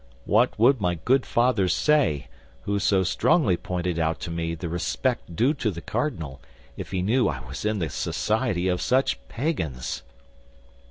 What would my good father say, who so strongly pointed out to me the respect due to the cardinal, if he knew I was in the society of such pagans?"